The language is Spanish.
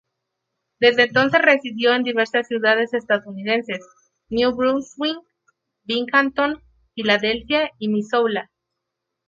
Desde entonces residió en diversas ciudades estadounidenses: New Brunswick, Binghamton, Filadelfia y Missoula.